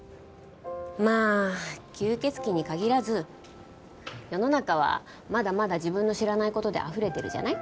まあ吸血鬼に限らず世の中はまだまだ自分の知らない事であふれてるじゃない？